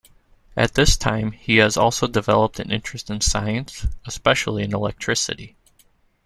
At this time he also developed an interest in science, especially in electricity.